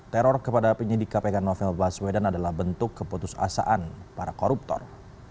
teror kepada penyelidik kpk novel baswedan adalah bentuk keputus asaan para koruptor